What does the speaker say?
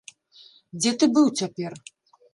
Дзе ты быў цяпер?